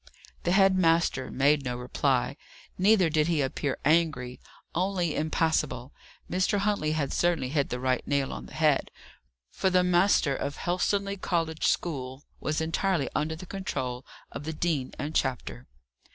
The head master made no reply. Neither did he appear angry; only impassible. Mr. Huntley had certainly hit the right nail on the head; for the master of Helstonleigh College school was entirely under the control, of the Dean and Chapter.